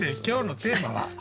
今日のテーマは？